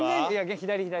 左左。